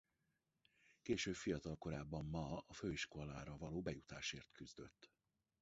Később fiatalkorában Ma a főiskolára való bejutásért küzdött.